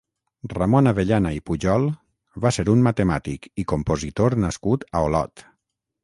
Ramon Avellana i Pujol va ser un matemàtic i compositor nascut a Olot.